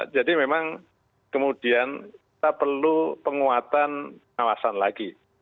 jadi memang kemudian kita perlu penguatan kawasan lagi